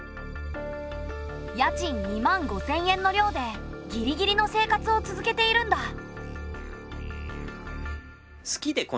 家賃２万５，０００円のりょうでギリギリの生活を続けているんだ。